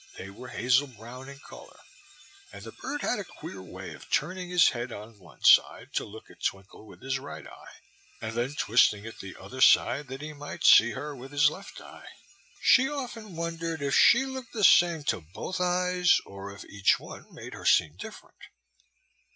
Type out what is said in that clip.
They were hazel brown in color, and the bird had a queer way of turning his head on one side to look at Twinkle with his right eye, and then twisting it the other side that he might see her with his left eye. She often wondered if she looked the same to both eyes, or if each one made her seem different.